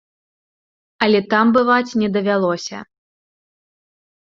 Але там бываць не давялося.